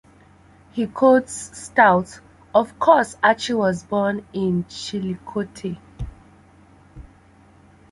He quotes Stout: Of course Archie was born in Chillicothe.